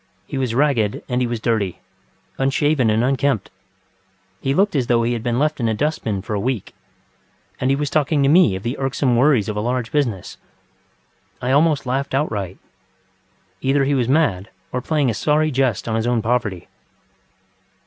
He was ragged and he was dirty, unshaven and unkempt; he looked as though he had been left in a dust bin for a week. And he was talking to me of the irksome worries of a large business. I almost laughed outright. Either he was mad or playing a sorry jest on his own poverty.